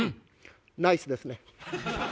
「ナイスですね」。